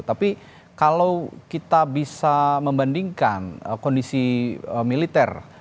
tapi kalau kita bisa membandingkan kondisi militer